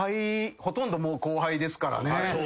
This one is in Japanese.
ほとんどもう後輩ですからね。